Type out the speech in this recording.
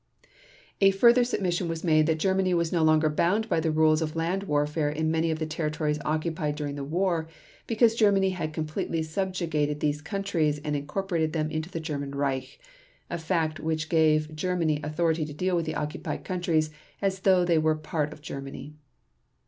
A further submission was made that Germany was no longer bound by the rules of land warfare in many of the territories occupied during the war, because Germany had completely subjugated those countries and incorporated them into the German Reich, a fact which gave Germany authority to deal with the occupied countries as though they were part of Germany.